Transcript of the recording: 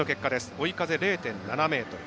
追い風０．７メートル。